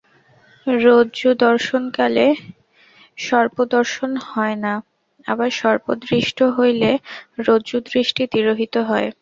রজ্জুদর্শনকালে সর্পদর্শন হয় না, আবার সর্প দৃষ্ট হইলে রজ্জুদৃষ্টি তিরোহিত হয়।